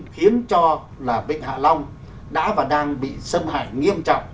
khiến cho là vịnh hạ long đã và đang bị xâm hại nghiêm trọng